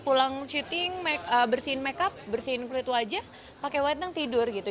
pulang syuting bersihin makeup bersihin kulit wajah pakai whitening tidur gitu